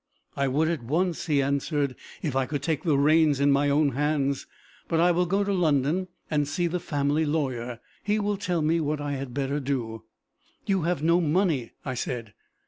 "I would at once," he answered, "if I could take the reins in my own hands. But I will go to London, and see the family lawyer. He will tell me what I had better do." "You have no money!" I said.